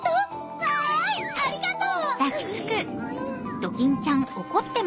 わいありがとう！